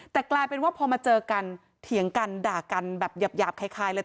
แต่กลายเป็นว่าพอมาเจอกันเถียงกันด่ากันแบบหยาบคล้ายเลย